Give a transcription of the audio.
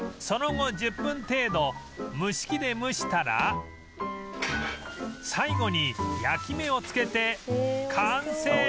その後１０分程度蒸し器で蒸したら最後に焼き目をつけて完成！